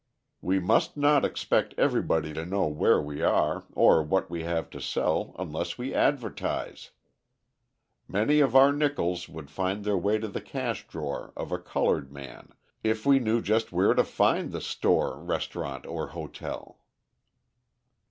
We must not expect everybody to know where we are or what we have to sell unless we advertise. Many of our nickels would find their way to the cash drawer of a coloured man if we just knew where to find the store, restaurant or hotel.